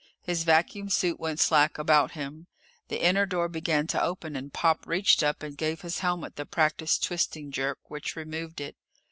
His vacuum suit went slack about him. The inner door began to open, and Pop reached up and gave his helmet the practiced twisting jerk which removed it.